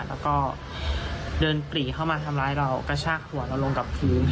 แล้วก็เดินปรีเข้ามาทำร้ายเรากระชากหัวเราลงกับพื้น